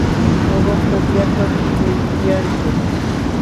Aawahtam llapan ulyaykan.